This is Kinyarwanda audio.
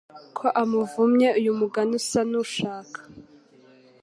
ko amuvumye uyu mugani usa n’ushaka